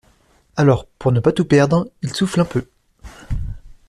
Alors, pour ne pas tout perdre, il souffle un peu.